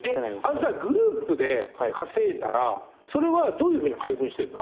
あのさグループで稼いだらそれはどういうふうに配分してんの？